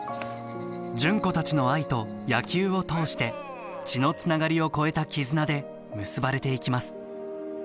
純子たちの愛と野球を通して血のつながりを超えた絆で結ばれていきます。